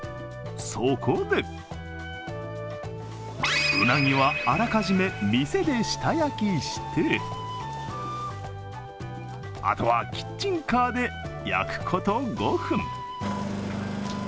そこでうなぎは、あらかじめ店で下焼きして、あとは、キッチンカーで焼くこと５分。